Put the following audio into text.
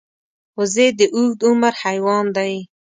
وزې د اوږد عمر حیوان دی